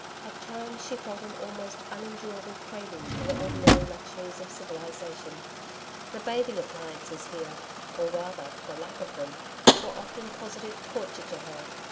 At times she felt an almost unendurable craving for the ordinary luxuries of civilisation. The bathing appliances here or rather, the lack of them were often positive torture to her.